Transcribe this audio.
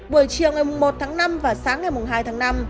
bữa chiều ngày mùng một tháng năm và sáng ngày mùng hai tháng năm